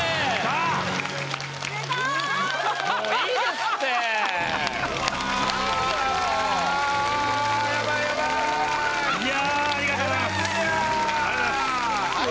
ありがとうございます。